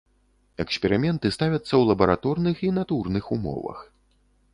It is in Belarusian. Эксперыменты ставяцца ў лабараторных і натурных умовах.